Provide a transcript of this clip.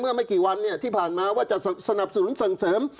ไม่กี่วันเนี่ยที่ผ่านมาว่าจะสนับสนุนส่งเสริม